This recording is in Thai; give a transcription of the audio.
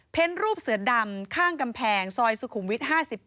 เป็นรูปเสือดำข้างกำแพงซอยสุขุมวิท๕๗